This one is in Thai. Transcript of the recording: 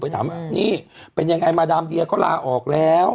ถามนี่เป็นยังไงมาดามเดียเขาลาออกแล้ว